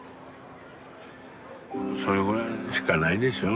それぐらいしかないでしょ